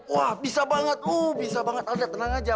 wah bisa banget bisa banget alda tenang aja